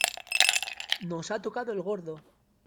nos ha tocado el gordo.